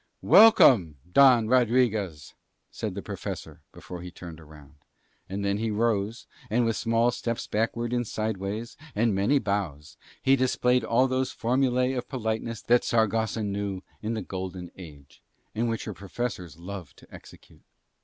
"Welcome, Don Rodriguez," said the Professor before he turned round; and then he rose, and with small steps backwards and sideways and many bows, he displayed all those formulae of politeness that Saragossa knew in the golden age and which her professors loved to execute.